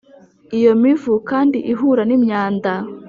Iyo mivu kandi ihura n’imyanda